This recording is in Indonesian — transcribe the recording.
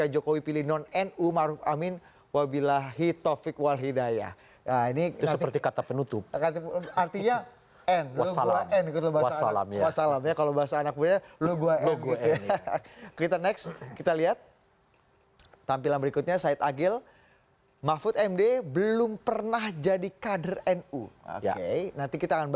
jelang penutupan pendaftaran